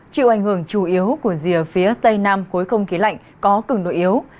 chịu ảnh hưởng chủ yếu của rìa phía tây nam khối không khí lạnh có cường độ yếu